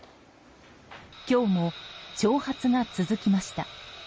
今日も挑発が続きました。